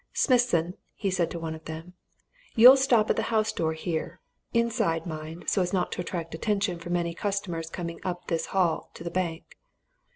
"Smithson," he said to one of them, "you'll stop at the house door here inside, mind, so as not to attract attention from any customers coming up this hall to the bank.